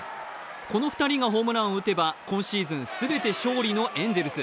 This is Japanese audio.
この２人がホームランを打てば全て勝利のエンゼルス。